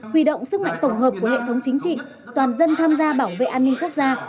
huy động sức mạnh tổng hợp của hệ thống chính trị toàn dân tham gia bảo vệ an ninh quốc gia